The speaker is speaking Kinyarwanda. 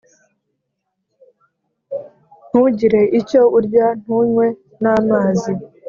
Ntugire icyo urya ntunywe n amazi